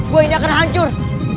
gua ini akan hancur